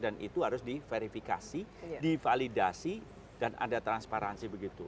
dan itu harus diverifikasi divalidasi dan ada transparansi begitu